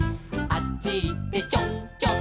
「あっちいってちょんちょん」